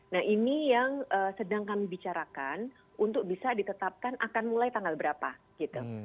nah ini yang sedang kami bicarakan untuk bisa ditetapkan akan mulai tanggal berapa gitu